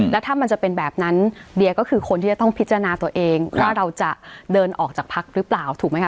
แล้วถ้ามันจะเป็นแบบนั้นเดียก็คือคนที่จะต้องพิจารณาตัวเองว่าเราจะเดินออกจากพักหรือเปล่าถูกไหมคะ